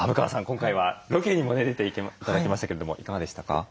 今回はロケにも出て頂きましたけれどもいかがでしたか？